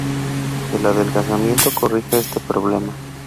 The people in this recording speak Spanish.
El adelgazamiento corrige este problema.